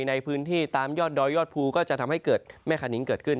ในพื้นที่ตามยอดดอยยอดภูก็จะทำให้เกิดแม่คานิ้งเกิดขึ้น